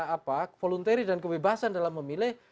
apa voluntary dan kebebasan dalam memilih